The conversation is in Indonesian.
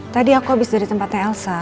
tadi aku habis dari tempatnya elsa